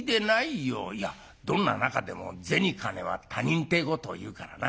「いやどんな仲でも銭金は他人てえことをいうからな。